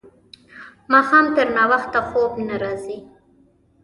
ماښام تر ناوخته خوب نه راځي.